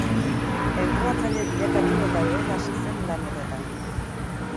Entrenatzaile bilakatu eta berehala hasi zen lan horretan.